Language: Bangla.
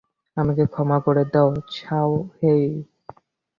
আমাকে ক্ষমা করে দাও, শাওহেই।